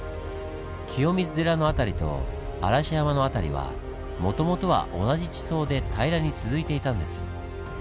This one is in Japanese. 清水寺の辺りと嵐山の辺りはもともとは同じ地層で平らに続いていたんです。